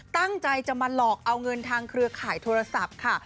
ตั้งใจจะมาหลอกเอาเงินทางเครือข่ายโทรศัพท์ค่ะ